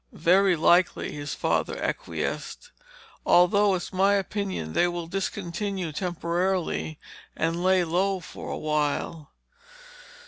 "Very likely," his father acquiesced. "Although it is my opinion they will discontinue, temporarily, and lay low for a while."